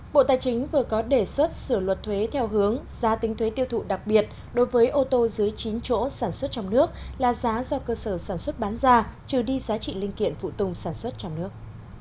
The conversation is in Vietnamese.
bộ tài chính vừa có đề xuất sửa luật thuế theo hướng giá tính thuế tiêu thụ đặc biệt đối với ô tô dưới chín chỗ sản xuất trong nước là giá do cơ sở sản xuất bán ra trừ đi giá trị linh kiện phụ tùng sản xuất trong nước